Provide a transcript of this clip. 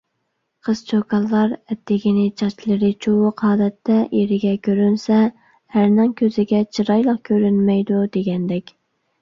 قىز-چوكانلار ئەتىگىنى چاچلىرى چۇۋۇق ھالەتتە ئېرىگە كۆرۈنسە، ئەرنىڭ كۆزىگە چىرايلىق كۆرۈنمەيدۇ، دېگەندەك.